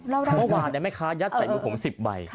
เมื่อวานแม่ค้ายัดใส่มือผม๑๐ใบ